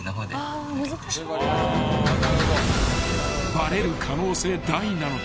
［バレる可能性大なので］